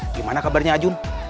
gimana kabarnya ajun